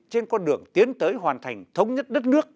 trên con đường tiến tới hoàn thành thống nhất đất nước